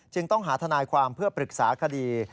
ต้องหาทนายความเพื่อปรึกษาคดี